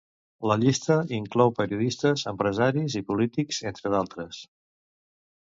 La llista inclou periodistes, empresaris i polítics, entre d'altres.